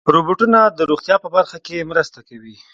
روبوټونه د روغتیا په برخه کې مرسته کوي.